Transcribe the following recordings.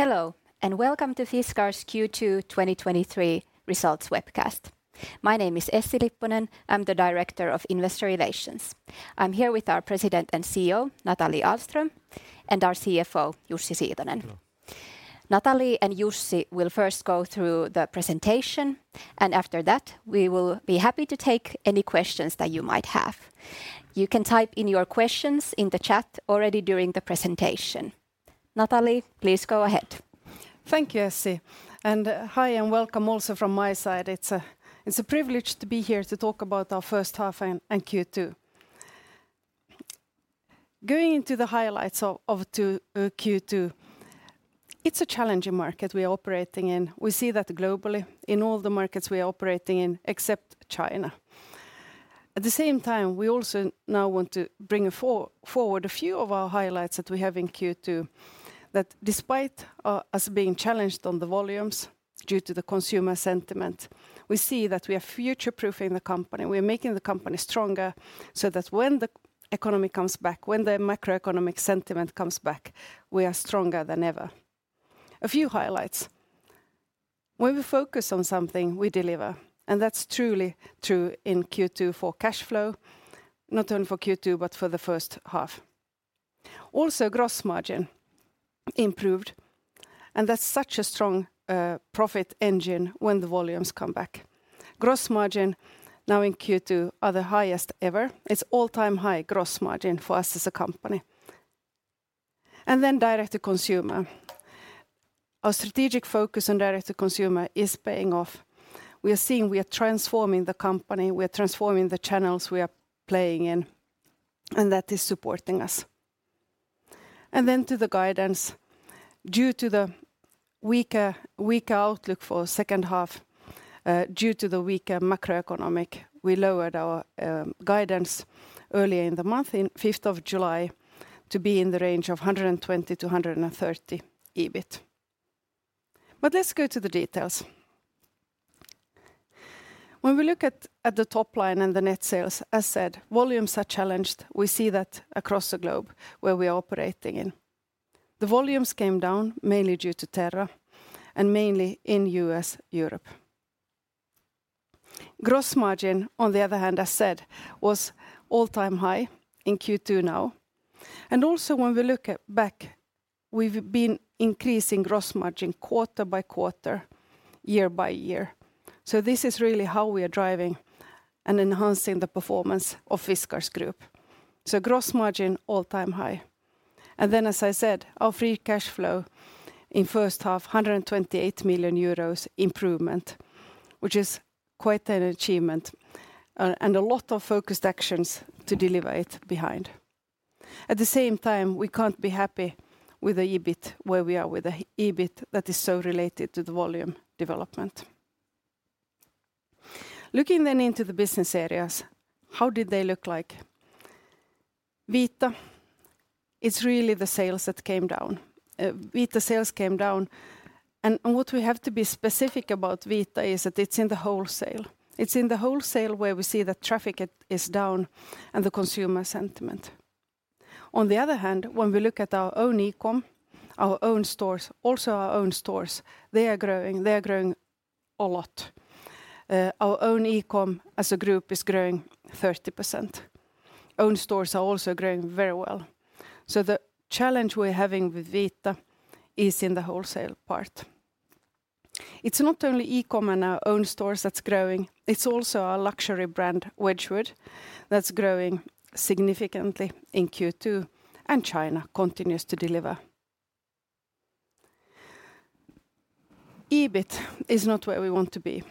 Hello, welcome to Fiskars' Q2 2023 results webcast. My name is Essi Lipponen. I'm the Director of Investor Relations. I'm here with our President and CEO, Nathalie Ahlström, and our CFO, Jussi Siitonen. Hello. Nathalie and Jussi will first go through the presentation, and after that, we will be happy to take any questions that you might have. You can type in your questions in the chat already during the presentation. Nathalie, please go ahead. Thank you, Essi, and hi, and welcome also from my side. It's a privilege to be here to talk about our first half and Q2. Going into the highlights of to Q2, it's a challenging market we are operating in. We see that globally in all the markets we are operating in, except China. At the same time, we also now want to bring forward a few of our highlights that we have in Q2, that despite us being challenged on the volumes due to the consumer sentiment, we see that we are future-proofing the company. We are making the company stronger so that when the economy comes back, when the macroeconomic sentiment comes back, we are stronger than ever. A few highlights. When we focus on something, we deliver, and that's truly true in Q2 for cash flow, not only for Q2, but for the first half. Also, gross margin improved, and that's such a strong profit engine when the volumes come back. Gross margin now in Q2 are the highest ever. It's all-time high gross margin for us as a company. Direct-to-consumer. Our strategic focus on direct-to-consumer is paying off. We are seeing we are transforming the company, we are transforming the channels we are playing in, and that is supporting us. To the guidance. Due to the weaker outlook for second half, due to the weaker macroeconomic, we lowered our guidance earlier in the month, in 5th of July, to be in the range of 120-130 EBIT. Let's go to the details. When we look at the top line and the net sales, as said, volumes are challenged. We see that across the globe where we are operating in. The volumes came down mainly due to Terra and mainly in U.S., Europe. Gross margin, on the other hand, I said, was all-time high in Q2 now. Also when we look at back, we've been increasing gross margin quarter by quarter, year by year. This is really how we are driving and enhancing the performance of Fiskars Group. Gross margin, all-time high. Then, as I said, our free cash flow in first half, 128 million euros improvement, which is quite an achievement, and a lot of focused actions to deliver it behind. At the same time, we can't be happy with the EBIT that is so related to the volume development. Looking into the business areas, how did they look like? Vita, it's really the sales that came down. Vita sales came down, and what we have to be specific about Vita is that it's in the wholesale. It's in the wholesale where we see the traffic is down and the consumer sentiment. On the other hand, when we look at our own e-com, our own stores, they are growing. They are growing a lot. Our own e-com as a group is growing 30%. Own stores are also growing very well. The challenge we're having with Vita is in the wholesale part. It's not only e-com and our own stores that's growing, it's also our luxury brand, Wedgwood, that's growing significantly in Q2. China continues to deliver. EBIT is not where we want to be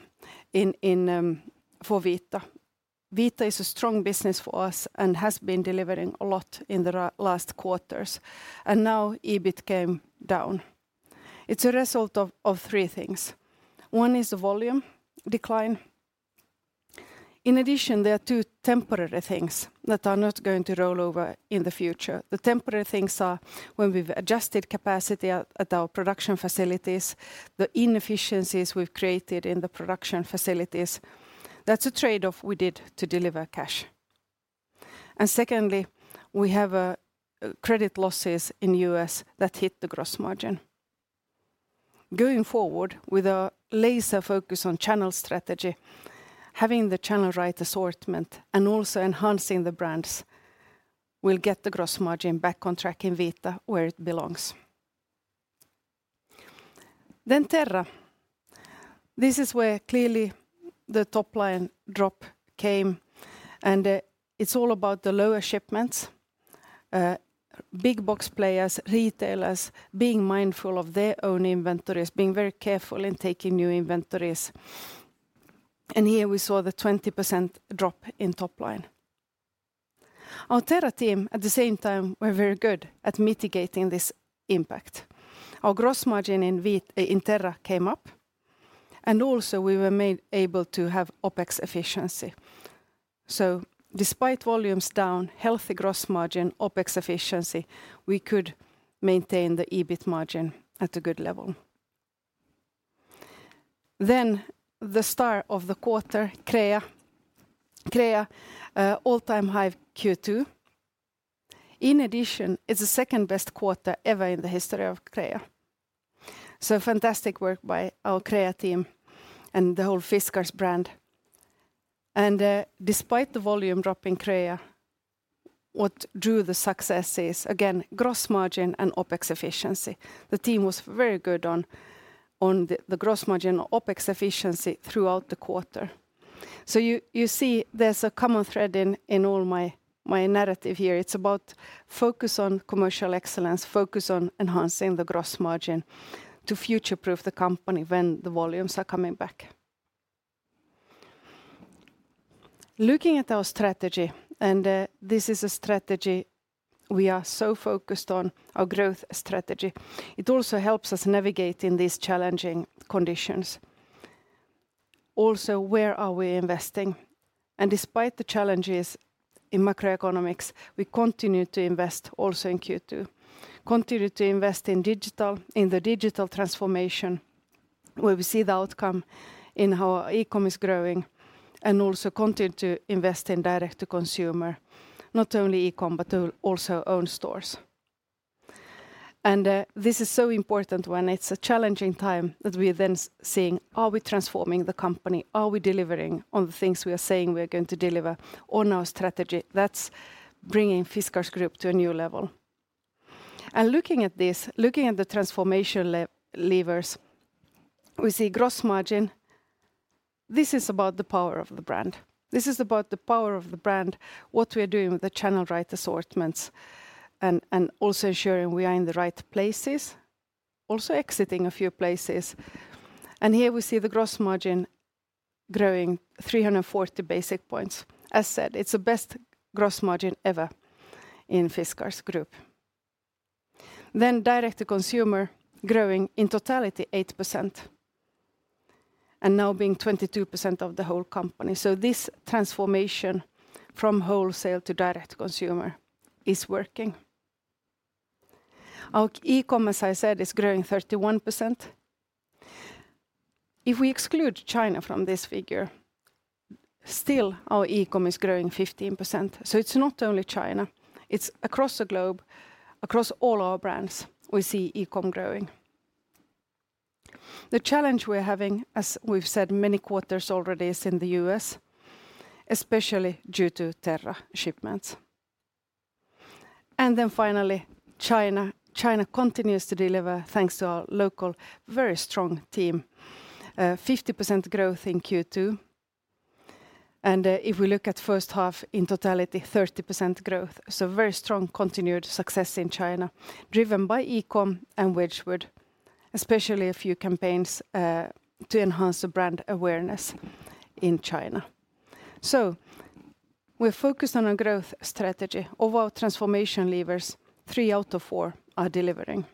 in. for Vita. Vita is a strong business for us and has been delivering a lot in the last quarters. Now EBIT came down. It's a result of three things. One is the volume decline. In addition, there are two temporary things that are not going to roll over in the future. The temporary things are when we've adjusted capacity at our production facilities, the inefficiencies we've created in the production facilities, that's a trade-off we did to deliver cash. Secondly, we have credit losses in U.S. that hit the gross margin. Going forward with a laser focus on channel strategy, having the channel right assortment, and also enhancing the brands, we'll get the gross margin back on track in Vita where it belongs. Terra. This is where clearly the top line drop came. It's all about the lower shipments. Big box players, retailers, being mindful of their own inventories, being very careful in taking new inventories. Here we saw the 20% drop in top line. Our Terra team, at the same time, were very good at mitigating this impact. Our gross margin in Vita in Terra came up, we were made able to have OpEx efficiency. Despite volumes down, healthy gross margin, OpEx efficiency, we could maintain the EBIT margin at a good level. The star of the quarter, Crea. Crea, all-time high Q2. In addition, it's the second-best quarter ever in the history of Crea. Fantastic work by our Crea team and the whole Fiskars brand. Despite the volume drop in Crea, what drew the success is, again, gross margin and OpEx efficiency. The team was very good on the gross margin OpEx efficiency throughout the quarter. You see there's a common thread in all my narrative here. It's about focus on commercial excellence, focus on enhancing the gross margin to future-proof the company when the volumes are coming back. Looking at our strategy, this is a strategy we are so focused on, our growth strategy. It also helps us navigate in these challenging conditions. Also, where are we investing? Despite the challenges in macroeconomics, we continue to invest also in Q2. Continue to invest in the digital transformation, where we see the outcome in how e-com is growing, and also continue to invest in direct-to-consumer, not only e-com, but also own stores. This is so important when it's a challenging time, that we are then seeing, are we transforming the company? Are we delivering on the things we are saying we are going to deliver on our strategy? That's bringing Fiskars Group to a new level. Looking at this, looking at the transformation levers, we see gross margin. This is about the power of the brand. This is about the power of the brand, what we are doing with the channel, right assortments, and also ensuring we are in the right places, also exiting a few places. Here we see the gross margin growing 340 basic points. As said, it's the best gross margin ever in Fiskars Group. Direct-to-consumer growing, in totality, 8%, and now being 22% of the whole company. This transformation from wholesale to direct-to-consumer is working. Our e-com, as I said, is growing 31%. If we exclude China from this figure, still our e-com is growing 15%. It's not only China, it's across the globe, across all our brands, we see e-com growing. The challenge we're having, as we've said many quarters already, is in the U.S., especially due to Terra shipments. Finally, China. China continues to deliver, thanks to our local, very strong team. 50% growth in Q2, and if we look at first half, in totality, 30% growth. Very strong continued success in China, driven by e-com and Wedgwood, especially a few campaigns to enhance the brand awareness in China. We're focused on a growth strategy. Of our transformation levers, three out of four are delivering.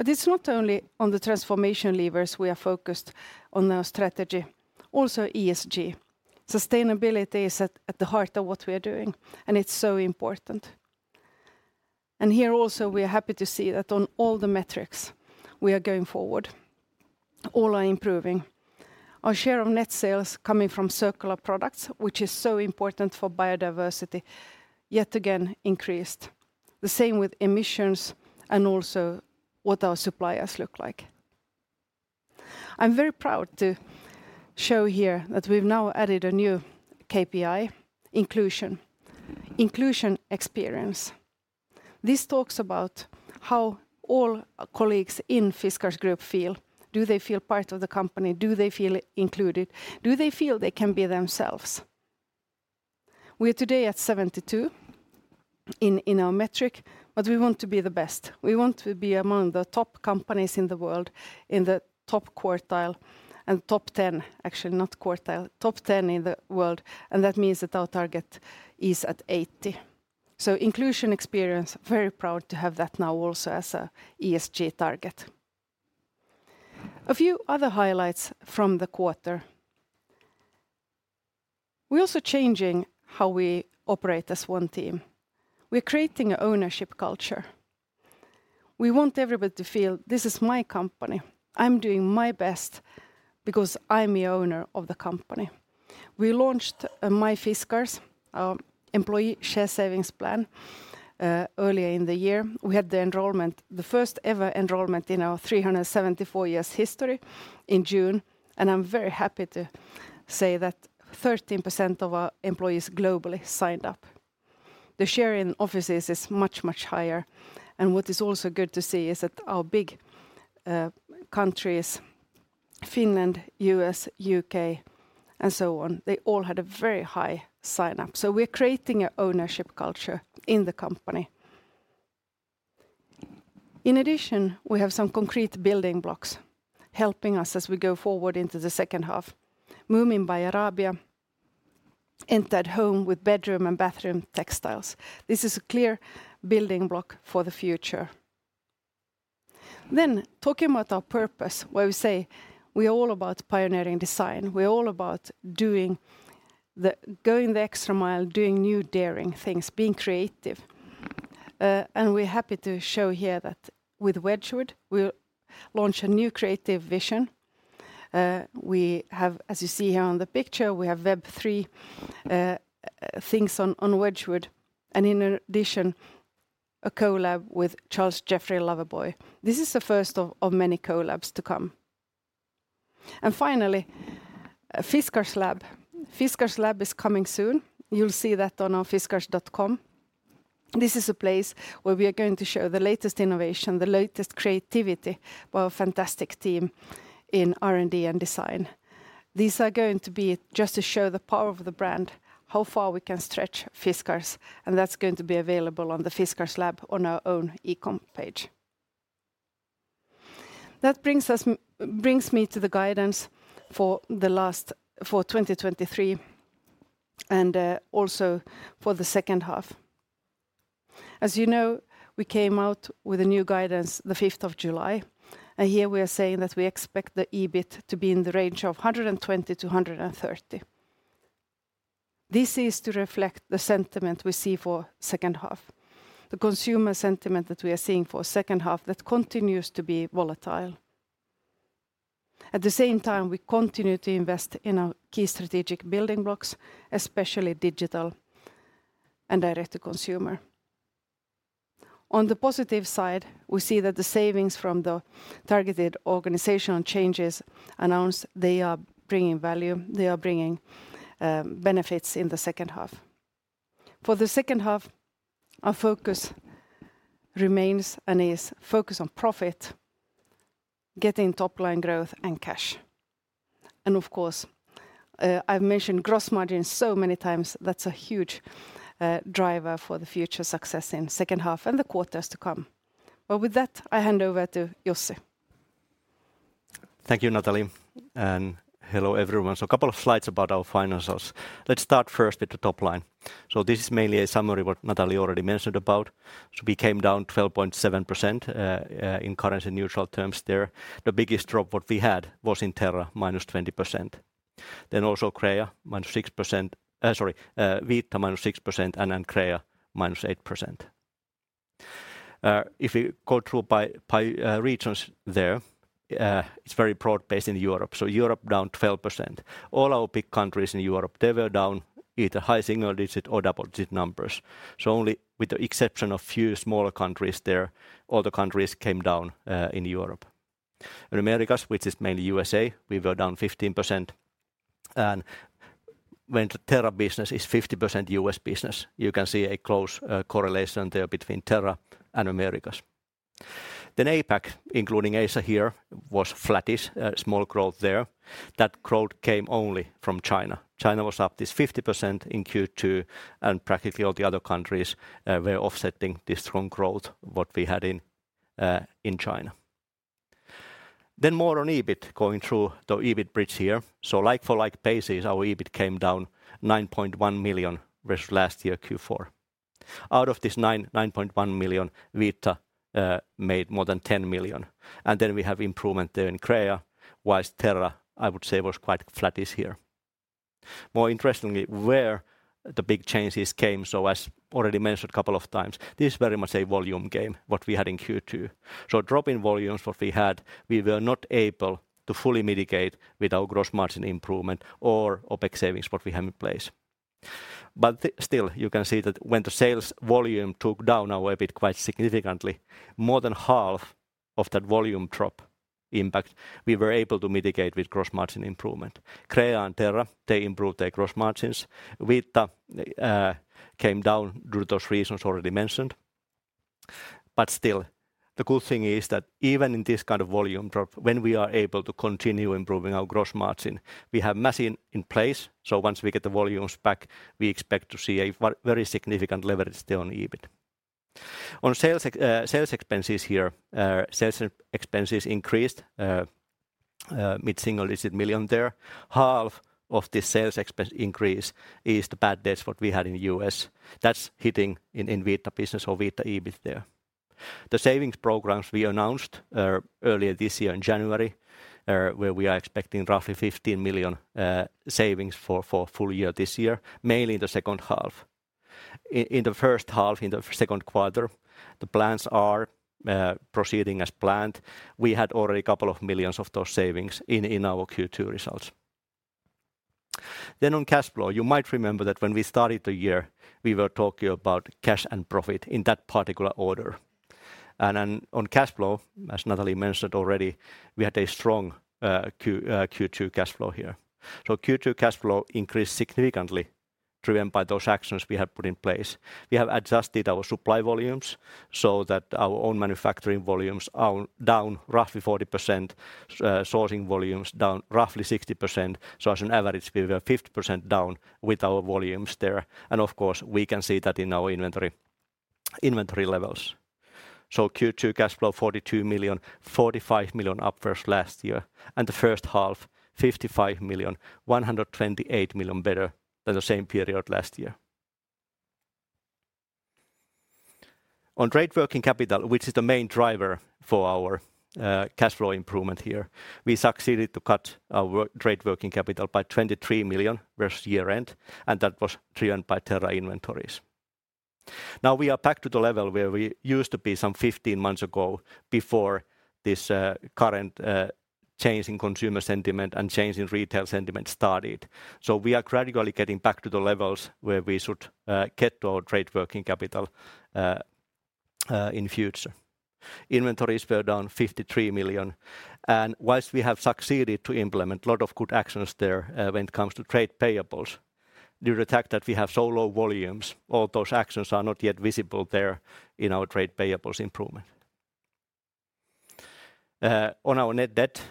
It's not only on the transformation levers we are focused on our strategy, also ESG. Sustainability is at the heart of what we are doing, and it's so important. Here also, we are happy to see that on all the metrics, we are going forward. All are improving. Our share of net sales coming from circular products, which is so important for biodiversity, yet again increased. The same with emissions and also what our suppliers look like. I'm very proud to show here that we've now added a new KPI, inclusion experience. This talks about how all colleagues in Fiskars Group feel. Do they feel part of the company? Do they feel included? Do they feel they can be themselves? We are today at 72 in our metric, but we want to be the best. We want to be among the top companies in the world, in the top quartile, and top 10, actually, not quartile, top 10 in the world, and that means that our target is at 80. Inclusion experience, very proud to have that now also as an ESG target. A few other highlights from the quarter. We're also changing how we operate as one team. We're creating a ownership culture. We want everybody to feel, "This is my company. I'm doing my best because I'm the owner of the company." We launched My Fiskars, our employee share savings plan, earlier in the year. We had the enrollment, the first ever enrollment in our 374 years history in June. I'm very happy to say that 13% of our employees globally signed up. The share in offices is much, much higher. What is also good to see is that our big countries, Finland, U.S., U.K., and so on, they all had a very high sign-up. We're creating a ownership culture in the company. In addition, we have some concrete building blocks helping us as we go forward into the second half. Moomin by Arabia entered home with bedroom and bathroom textiles. This is a clear building block for the future. Talking about our purpose, where we say we are all about pioneering design, we're all about going the extra mile, doing new, daring things, being creative. We're happy to show here that with Wedgwood, we'll launch a new creative vision. We have, as you see here on the picture, we have Web3 things on Wedgwood. In addition, a collab with Charles Jeffrey Loverboy. This is the first of many collabs to come. Finally, Fiskars LAB. Fiskars LAB is coming soon. You'll see that on our fiskars.com. This is a place where we are going to show the latest innovation, the latest creativity by a fantastic team in R&D and design. These are going to be just to show the power of the brand, how far we can stretch Fiskars. That's going to be available on the Fiskars LAB on our own e-com page. That brings me to the guidance for 2023, also for the second half. As you know, we came out with a new guidance the fifth of July. Here we are saying that we expect the EBIT to be in the range of 120-130. This is to reflect the sentiment we see for second half. The consumer sentiment that we are seeing for second half, that continues to be volatile. At the same time, we continue to invest in our key strategic building blocks, especially digital and direct-to-consumer. On the positive side, we see that the savings from the targeted organizational changes announced, they are bringing value, they are bringing benefits in the second half. For the second half, our focus remains and is focus on profit, getting top-line growth and cash. Of course, I've mentioned gross margin so many times, that's a huge driver for the future success in second half and the quarters to come. Well, with that, I hand over to Jussi. Thank you, Nathalie, hello, everyone. A couple of slides about our financials. Let's start first with the top line. This is mainly a summary what Nathalie already mentioned about. We came down 12.7% in currency neutral terms there. The biggest drop what we had was in Terra, -20%. Also Vita, -6%, Crea, -8%. If you go through by regions there, it's very broad-based in Europe. Europe, down 12%. All our big countries in Europe, they were down either high single digit or double-digit numbers. Only with the exception of few smaller countries there, all the countries came down in Europe. In Americas, which is mainly USA, we were down 15%. When the Terra business is 50% U.S. business, you can see a close correlation there between Terra and Americas. APAC, including Asia here, was flattish, small growth there. That growth came only from China. China was up this 50% in Q2. Practically all the other countries were offsetting this strong growth, what we had in China. More on EBIT, going through the EBIT bridge here. Like-for-like basis, our EBIT came down 9.1 million versus last year Q4. Out of this 9.1 million, Vita made more than 10 million. We have improvement there in Crea, whilst Terra, I would say, was quite flattish here. More interestingly, where the big changes came. As already mentioned a couple of times, this is very much a volume game, what we had in Q2. Drop in volumes, what we had, we were not able to fully mitigate with our gross margin improvement or OpEx savings, what we have in place. Still, you can see that when the sales volume took down our EBIT quite significantly, more than half of that volume drop impact, we were able to mitigate with gross margin improvement. Crea and Terra, they improved their gross margins. Vita came down due to those reasons already mentioned. Still, the good thing is that even in this kind of volume drop, when we are able to continue improving our gross margin, we have margin in place, so once we get the volumes back, we expect to see a very significant leverage there on EBIT. On sales expenses here, sales expenses increased mid-single-digit million there. Half of this sales expense increase is the bad debts what we had in the U.S. That's hitting in Vita business or Vita EBIT there. The savings programs we announced earlier this year in January, where we are expecting roughly 15 million savings for full year this year, mainly in the second half. In the first half, in the second quarter, the plans are proceeding as planned. We had already a couple of million of those savings in our Q2 results. On cash flow, you might remember that when we started the year, we were talking about cash and profit in that particular order. On cash flow, as Nathalie Ahlström mentioned already, we had a strong Q2 cash flow here. Q2 cash flow increased significantly, driven by those actions we have put in place. We have adjusted our supply volumes so that our own manufacturing volumes are down roughly 40%, sourcing volumes down roughly 60%. As an average, we were 50% down with our volumes there. Of course, we can see that in our inventory levels. Q2 Cash Flow, 42 million, 45 million up versus last year, and the first half, 55 million, 128 million better than the same period last year. On Trade Working Capital, which is the main driver for our Cash Flow improvement here, we succeeded to cut our Trade Working Capital by 23 million versus year-end, and that was driven by Terra inventories. Now we are back to the level where we used to be some 15 months ago, before this current change in consumer sentiment and change in retail sentiment started. We are gradually getting back to the levels where we should get our Trade Working Capital in future. Inventories were down 53 million. Whilst we have succeeded to implement a lot of good actions there, when it comes to trade payables, due to the fact that we have so low volumes, all those actions are not yet visible there in our trade payables improvement. On our Net Debt,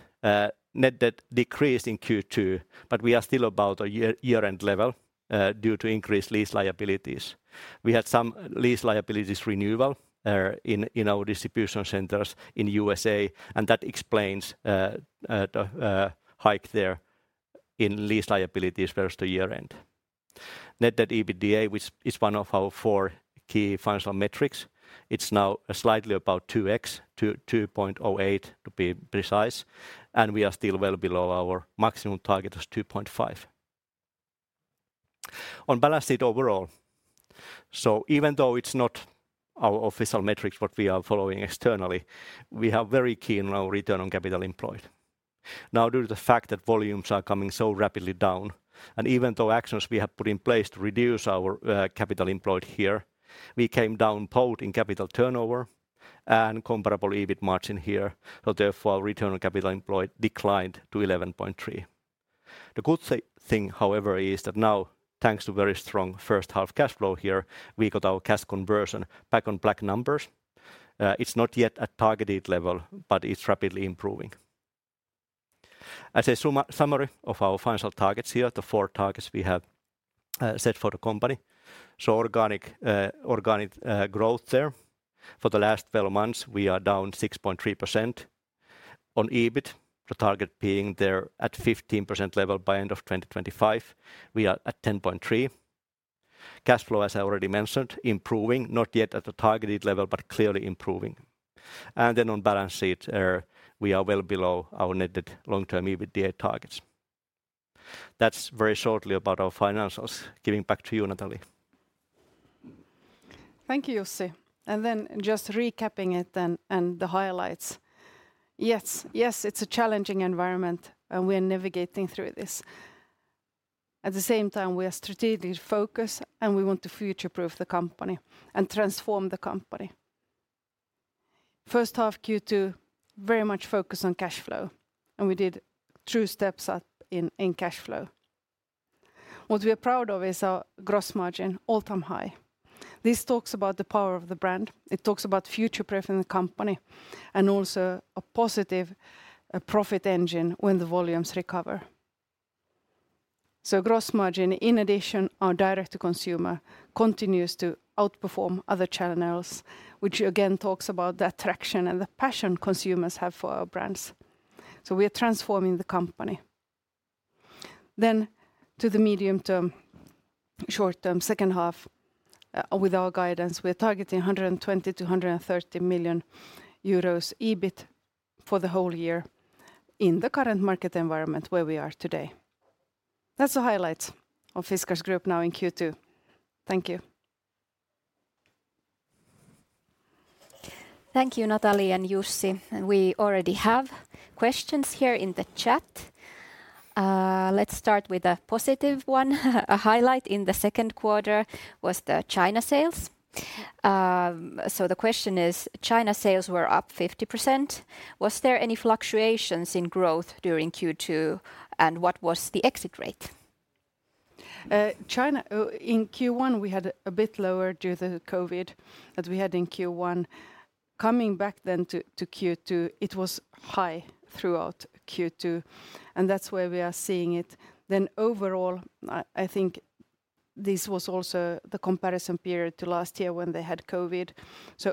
Net Debt decreased in Q2, but we are still about a year-end level due to increased lease liabilities. We had some lease liabilities renewal in our distribution centers in U.S.A., that explains the hike there in lease liabilities versus the year-end. Net Debt EBITDA, which is one of our four key financial metrics, it's now slightly about 2X, to 2.08 to be precise. We are still well below our maximum target of 2.5. On balance sheet overall, even though it's not our official metrics, what we are following externally, we are very keen on our Return on Capital Employed. Now, due to the fact that volumes are coming so rapidly down, even though actions we have put in place to reduce our capital employed here, we came down both in capital turnover and comparable EBIT margin here. Therefore, our Return on Capital Employed declined to 11.3. The good thing, however, is that now, thanks to very strong first half cash flow here, we got our Cash Conversion back on black numbers. It's not yet at targeted level, it's rapidly improving. As a summary of our financial targets here, the four targets we have set for the company. Organic growth there, for the last 12 months, we are down 6.3%. On EBIT, the target being there at 15% level by end of 2025, we are at 10.3%. Cash flow, as I already mentioned, improving, not yet at the targeted level, but clearly improving. On balance sheet, we are well below our Net Debt long-term EBITDA targets. That's very shortly about our financials. Giving back to you, Nathalie. Thank you, Jussi. Just recapping it then, and the highlights. Yes, it's a challenging environment, and we're navigating through this. At the same time, we are strategically focused, and we want to future-proof the company and transform the company. First half Q2, very much focused on cash flow, and we did true steps up in cash flow. What we are proud of is our gross margin, all-time high. This talks about the power of the brand. It talks about future-proofing the company, and also a positive profit engine when the volumes recover. Gross margin, in addition, our direct-to-consumer continues to outperform other channels, which again, talks about the attraction and the passion consumers have for our brands. We are transforming the company. To the medium term, short term, second half, with our guidance, we are targeting 120 million-130 million euros EBIT for the whole year in the current market environment where we are today. That's the highlights of Fiskars Group now in Q2. Thank you. Thank you, Nathalie and Jussi. We already have questions here in the chat. Let's start with a positive one. A highlight in the second quarter was the China sales. The question is, China sales were up 50%. Was there any fluctuations in growth during Q2, and what was the exit rate? China, in Q1, we had a bit lower due to the COVID that we had in Q1. Coming back to Q2, it was high throughout Q2, and that's where we are seeing it. Overall, I think this was also the comparison period to last year when they had COVID.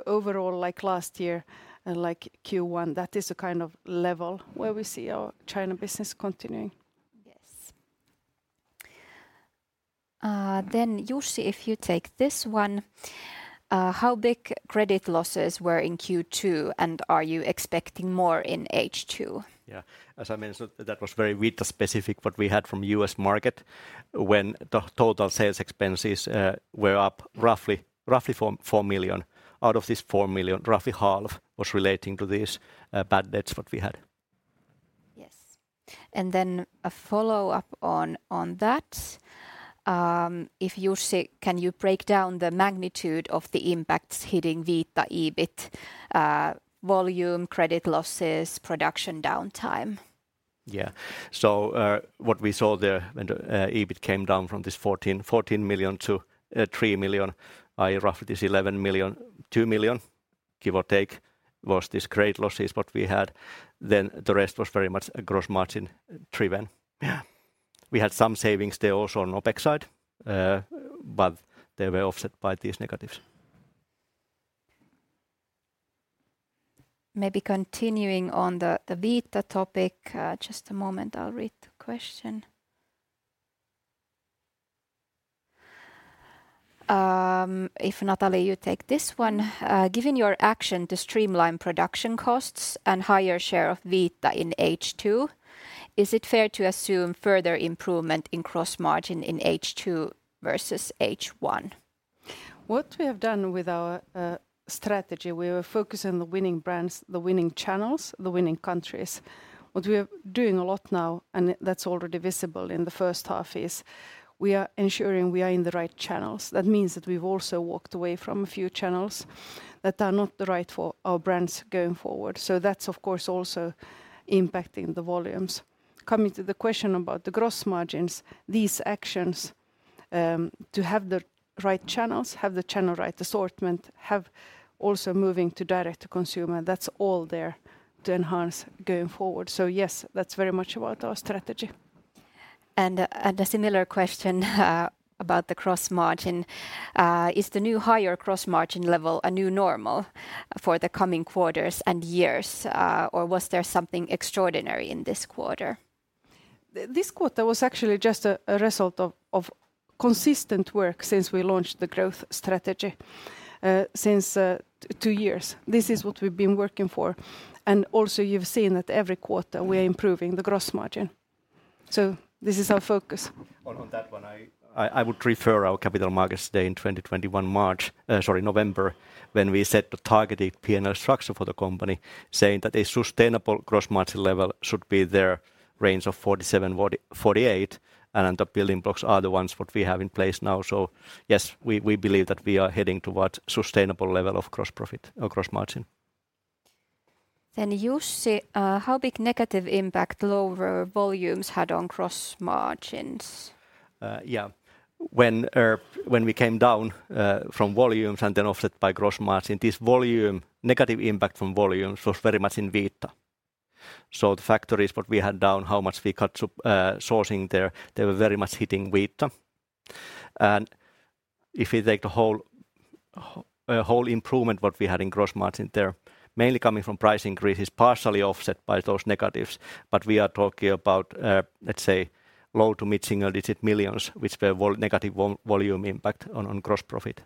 Overall, like last year, and like Q1, that is the kind of level where we see our China business continuing. Yes. Jussi, if you take this one, how big credit losses were in Q2, and are you expecting more in H2? As I mentioned, that was very Vita specific, what we had from U.S. market, when the total sales expenses were up roughly 4 million. Out of this 4 million, roughly half was relating to these bad debts what we had. Yes. A follow-up on that, if Jussi, can you break down the magnitude of the impacts hitting Vita EBIT, volume, credit losses, production downtime? What we saw there when the EBIT came down from this 14 million to 3 million, by roughly this 11 million, 2 million, give or take, was this credit losses, what we had, then the rest was very much a gross margin driven. We had some savings there also on OpEx side, but they were offset by these negatives. Maybe continuing on the Vita topic, just a moment, I'll read the question. If Nathalie, you take this one: "Given your action to streamline production costs and higher share of Vita in H2, is it fair to assume further improvement in cross-margin in H2 versus H1? What we have done with our strategy, we were focused on the winning brands, the winning channels, the winning countries. What we are doing a lot now, and that's already visible in the first half, is we are ensuring we are in the right channels. That means that we've also walked away from a few channels that are not the right for our brands going forward. That's, of course, also impacting the volumes. Coming to the question about the gross margins, these actions to have the right channels, have the channel right assortment, have also moving to direct-to-consumer, that's all there to enhance going forward. Yes, that's very much about our strategy. A similar question about the cross margin. Is the new higher cross margin level a new normal for the coming quarters and years, or was there something extraordinary in this quarter? this quarter was actually just a result of consistent work since we launched the growth strategy, since two years. This is what we've been working for, and also you've seen that every quarter we're improving the gross margin. This is our focus. Well, on that one, I would refer our Capital Markets Day in 2021, March, sorry, November, when we set the targeted P&L structure for the company, saying that a sustainable gross margin level should be their range of 47%-48%, and the building blocks are the ones what we have in place now. Yes, we believe that we are heading towards sustainable level of gross profit or gross margin. Jussi, how big negative impact lower volumes had on gross margins? Yeah. When we came down from volumes and then offset by gross margin, this negative impact from volumes was very much in Vita. The factories, what we had down, how much we cut sourcing there, they were very much hitting Vita. If we take the whole improvement what we had in gross margin there, mainly coming from price increase, is partially offset by those negatives, but we are talking about, let's say, low to mid-single-digit millions, which were negative volume impact on gross profit.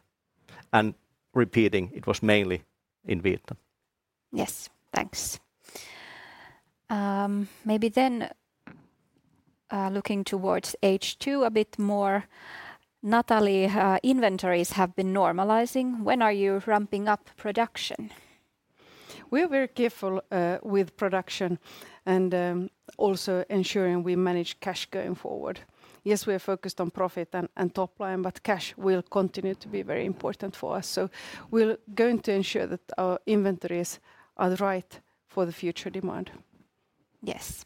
Repeating, it was mainly in Vita. Yes, thanks. maybe then, looking towards H2 a bit more, Nathalie, inventories have been normalizing. When are you ramping up production? We're very careful with production and also ensuring we manage cash going forward. Yes, we are focused on profit and top line, but cash will continue to be very important for us. We're going to ensure that our inventories are right for the future demand. Yes.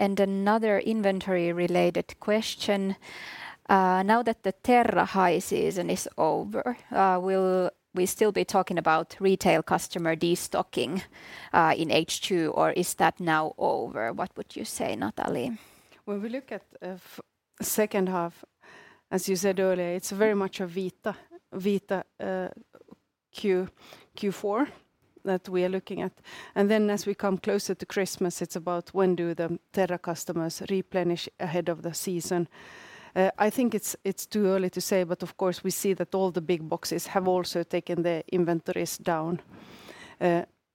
Another inventory-related question. Now that the Terra high season is over, will we still be talking about retail customer destocking in H2, or is that now over? What would you say, Nathalie? When we look at second half, as you said earlier, it's very much a Vita Q4 that we are looking at. As we come closer to Christmas, it's about when do the Terra customers replenish ahead of the season. I think it's too early to say, but of course we see that all the big boxes have also taken their inventories down.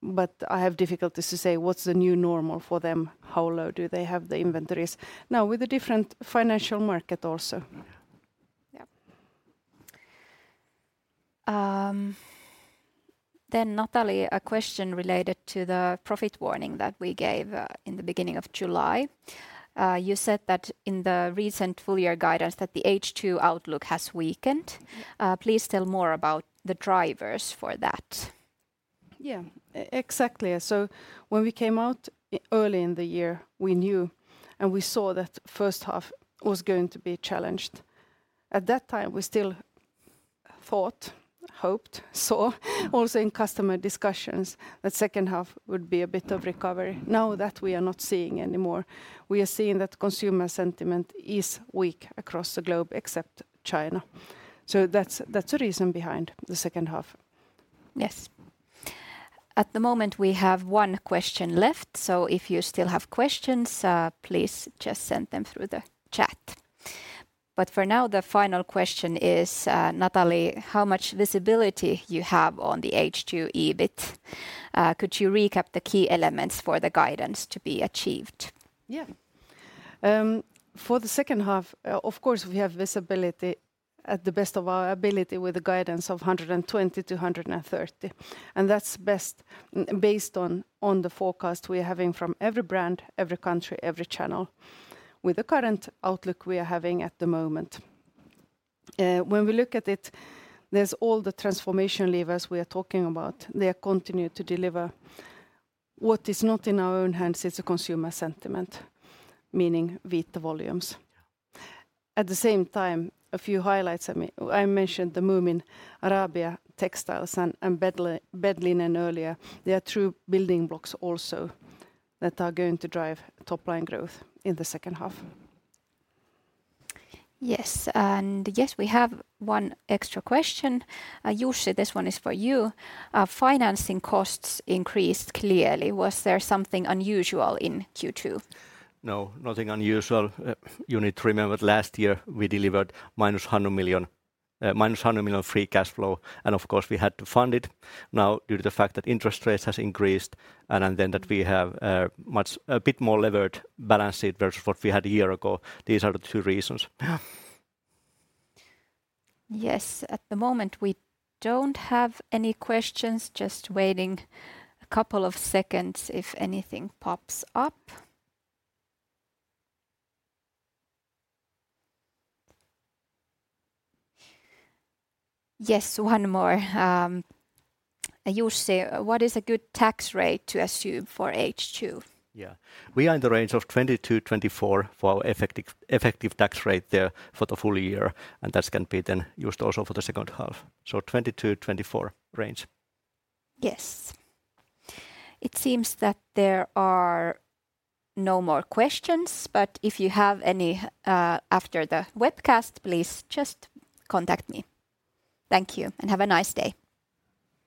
But I have difficulties to say what's the new normal for them, how low do they have the inventories, now with the different financial market also. Nathalie, a question related to the profit warning that we gave in the beginning of July. You said that in the recent full-year guidance, that the H2 outlook has weakened. Please tell more about the drivers for that. Exactly. When we came out early in the year, we knew and we saw that first half was going to be challenged. At that time, we still thought, hoped, saw also in customer discussions, that second half would be a bit of recovery. Now that we are not seeing anymore. We are seeing that consumer sentiment is weak across the globe, except China. That's the reason behind the second half. Yes. At the moment, we have one question left, so if you still have questions, please just send them through the chat. For now, the final question is, Nathalie, how much visibility you have on the H2 EBIT? Could you recap the key elements for the guidance to be achieved? For the second half, of course, we have visibility at the best of our ability with a guidance of 120 million-130 million, and that's based on the forecast we're having from every brand, every country, every channel, with the current outlook we are having at the moment. When we look at it, there's all the transformation levers we are talking about. They continue to deliver. What is not in our own hands is the consumer sentiment, meaning Vita volumes. At the same time, a few highlights. I mentioned the Moomin, Arabia Textiles, and Bed linen earlier. They are true building blocks also that are going to drive top-line growth in the second half. Yes, and yes, we have one extra question. Jussi, this one is for you. Financing costs increased clearly. Was there something unusual in Q2? No, nothing unusual. You need to remember last year, we delivered minus 100 million free cash flow. Of course, we had to fund it now due to the fact that interest rates have increased, and then that we have a bit more levered balance sheet versus what we had a year ago. These are the two reasons. Yeah. Yes, at the moment, we don't have any questions. Just waiting a couple of seconds if anything pops up. Yes, one more. Jussi, what is a good tax rate to assume for H2? Yeah. We are in the range of 22%-24% for our effective tax rate there for the full year. That can be then used also for the second half, 22%-24% range. Yes. It seems that there are no more questions, but if you have any after the webcast, please just contact me. Thank you. Have a nice day.